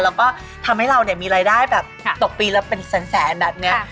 แล้วก็ทำให้เราเนี่ยมีรายได้แบบตกปีละเป็นแสนแบบนี้